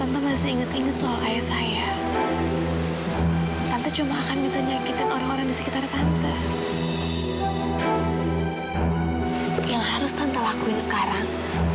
tante tuh harus bahagia dengan apa yang tante punya sekarang